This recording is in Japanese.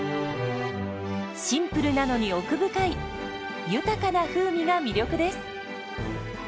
シンプルなのに奥深い豊かな風味が魅力です。